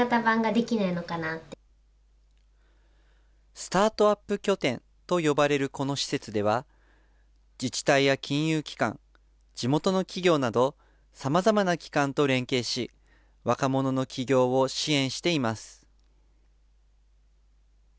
スタートアップ拠点と呼ばれるこの施設では、自治体や金融機関、地元の企業など、さまざまな機関と連携し、若者の起業を支援しています。